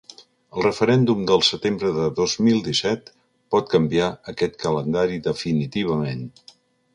El referèndum del setembre del dos mil disset pot canviar aquest calendari definitivament.